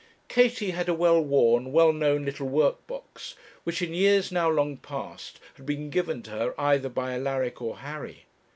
Katie had a well worn, well known little workbox, which, in years now long past; had been given to her either by Alaric or Harry.